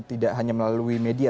tidak hanya melalui media